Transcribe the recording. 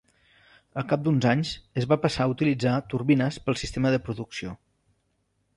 Al cap d'uns anys es va passar a utilitzar turbines pel sistema de producció.